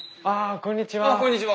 こんにちは。